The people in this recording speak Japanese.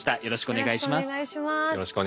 よろしくお願いします。